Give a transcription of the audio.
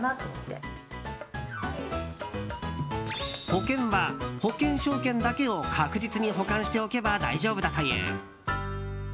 保険は保険証券だけを確実に保管しておけば大丈夫だという。